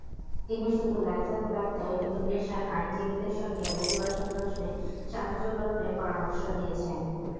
তিনি শুধু লাইসেন্সপ্রাপ্ত ইমিগ্রেশন আইনজীবীদের সঙ্গে অভিবাসন প্রশ্নে সাহায্য গ্রহণের পরামর্শ দিয়েছেন।